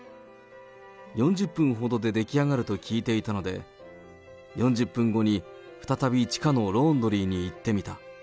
４０分ほどで出来上がると聞いていたので、４０分後に再び地下のローンドリーに行ってみた。